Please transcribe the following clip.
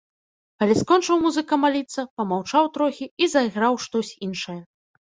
Але скончыў музыка маліцца, памаўчаў трохі і зайграў штось іншае.